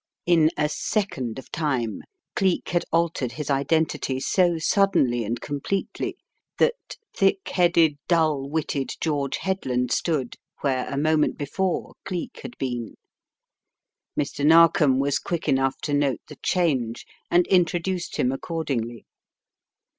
In a second of time Cleek had altered his identity so suddenly and completely that, thick headed, dull witted George Headland stood where a moment be fore Cleek had been. Mr. Narkom was quick enough to note the change, and introduced him ac cordingly.